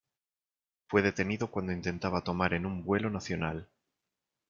Fue detenido cuando intentaba tomar en un vuelo nacional.